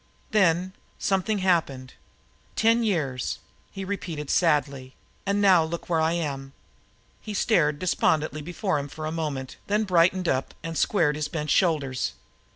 Then something happened. Ten years," he repeated sadly, "and now look where I am!" He stared despondently before him for a moment, then brightened up and squared his bent shoulders.